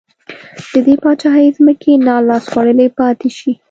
د دې پاچاهۍ ځمکې نا لاس خوړلې پاتې شي.